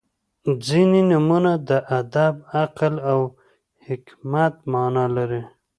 • ځینې نومونه د ادب، عقل او حکمت معنا لري.